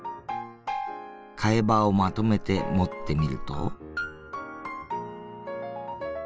替え刃をまとめて持ってみると。